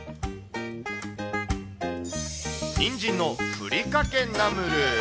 にんじんのふりかけナムル。